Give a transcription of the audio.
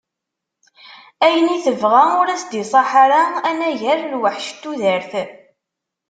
Ayen i tebɣa ur as-d-iṣaḥ ara, anagar lweḥc n tudert.